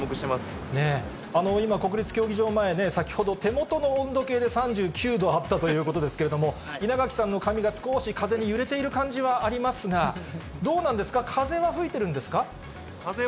今、国立競技場前ね、先ほど手元の温度計で３９度あったということですけれども、稲垣さんの髪が少し風に揺れている感じはありますが、どうなんで風は吹いてますね。